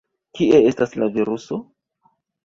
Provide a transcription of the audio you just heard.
Kie estas la viruso?